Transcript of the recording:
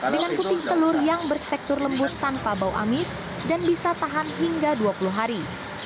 dengan kuping telur yang berstektur lembut tanpa bau amis dan bisa tahan hingga dua puluh hari